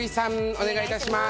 お願いいたします。